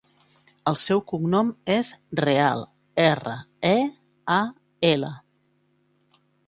El seu cognom és Real: erra, e, a, ela.